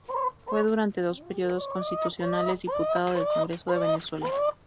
Fue durante dos períodos constitucionales diputado al Congreso de Venezuela.